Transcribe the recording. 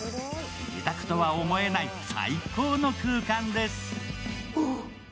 自宅とは思えない最高の空間です。